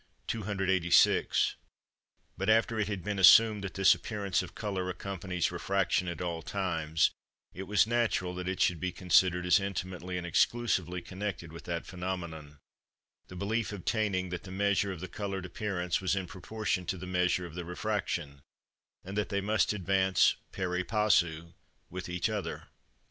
286. But after it had been assumed that this appearance of colour accompanies refraction at all times, it was natural that it should be considered as intimately and exclusively connected with that phenomenon; the belief obtaining that the measure of the coloured appearance was in proportion to the measure of the refraction, and that they must advance pari passu with each other.